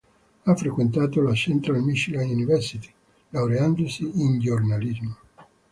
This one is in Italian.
Ha frequentato la Central Michigan University, laureandosi in giornalismo.